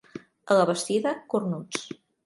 A la Bastida, cornuts.